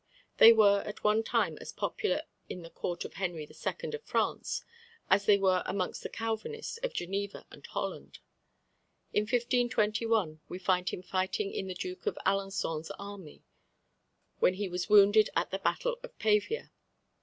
They were at one time as popular in the Court of Henry II. of France as they were amongst the Calvinists of Geneva and Holland. In 1521 we find him fighting in the Duke of Alençon's army, when he was wounded at the battle of Pavia.